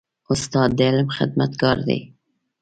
استاد د علم خدمتګار دی.